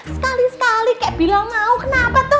sekali sekali kayak bilang mau kenapa tuh